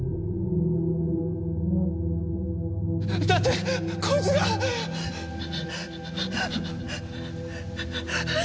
だってこいつが！あっ！？